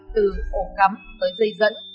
từ ổ cắm tới dây dẫn